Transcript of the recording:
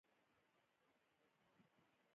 زده کړه د نجونو ټولنیز موقف لوړوي.